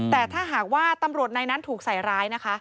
แต่ถ้าหากว่าตำรวจในนั้นถูกใส่ร้ายนะคะ